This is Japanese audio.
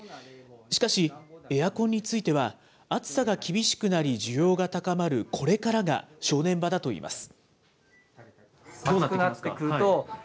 しかし、エアコンについては暑さが厳しくなり、需要が高まるこれからが正念場だといいます。